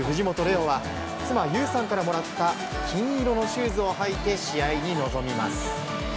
央は妻・優さんからもらった金色のシューズを履いて試合に臨みます。